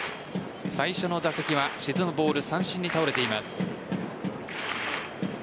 最初の打席は沈むボール、三振に倒れています。